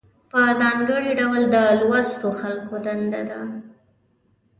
په ځانګړي ډول د لوستو خلکو دنده ده.